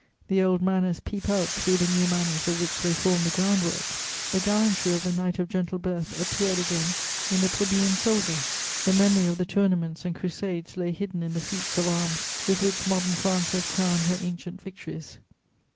The old manners peep out through the new manners of which they form the ground work. The gallantry of the knight of gentle birth appeared again in the plebeian soldier: the memory of the tournaments and crusades lay hidden in the feats of arms with which modern France has crowned her ancient victories.